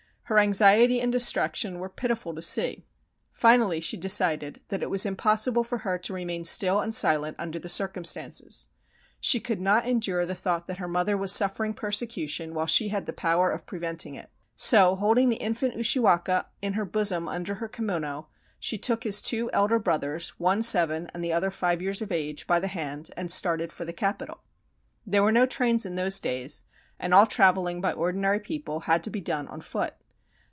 Her anxiety and distraction were pitiful to see. Finally she decided that it was impossible for her to remain still and silent under the circumstances; she could not endure the thought that her mother was suffering persecution while she had the power of preventing it; so holding the in fant Ushiwaka in her bosom under her kimono, she took his two elder brothers (one seven and the other five years of age) by the hand and started for the capital. There were no trains in those days, and all traveling by ordinary people had to be done on foot.